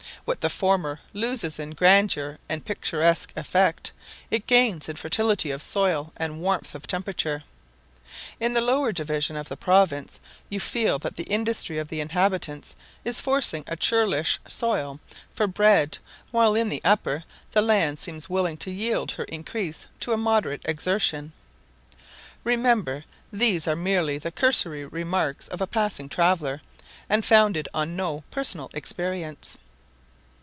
What the former loses in grandeur and picturesque effect, it gains in fertility of soil and warmth of temperature. In the lower division of the province you feel that the industry of the inhabitants is forcing a churlish soil for bread; while in the upper, the land seems willing to yield her increase to a moderate exertion. Remember, these are merely the cursory remarks of a passing traveller, and founded on no personal experience.